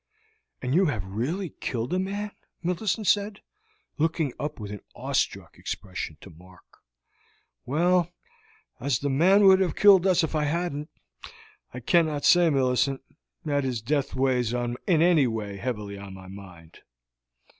"And you have really killed a man?" Millicent said, looking up with an awestruck expression to Mark. "Well, as the man would have killed us if I hadn't, I cannot say, Millicent, that his death weighs in any way heavily on my mind.